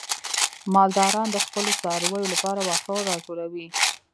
مالداران د خپلو څارویو لپاره واښه راټولوي.